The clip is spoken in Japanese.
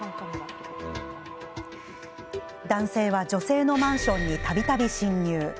男性は、女性のマンションにたびたび侵入。